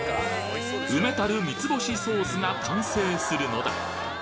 梅タル三ツ星ソースが完成するのだ！